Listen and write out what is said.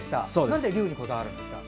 なんで龍にこだわるんですか？